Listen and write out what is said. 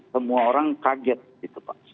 semua orang kaget pak